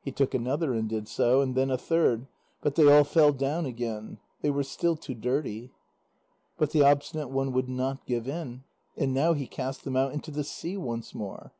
He took another and did so, and then a third, but they all fell down again. They were still too dirty. But the Obstinate One would not give in, and now he cast them out into the sea once more.